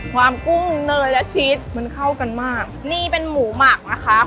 กุ้งเนยและชีสมันเข้ากันมากนี่เป็นหมูหมักนะคะ